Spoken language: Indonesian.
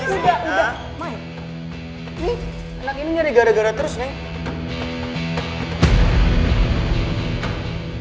ini anak ini nyari gara gara terus nih